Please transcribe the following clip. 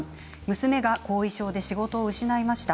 娘が後遺症で仕事を失いました。